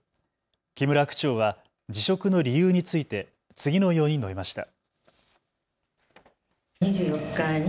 木村区長は辞職の理由について次のように述べました。